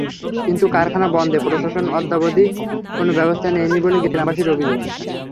কিন্তু কারখানা বন্ধে প্রশাসন অদ্যাবধি কোনো ব্যবস্থা নেয়নি বলে গ্রামবাসীর অভিযোগ।